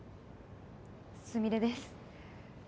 すみれです。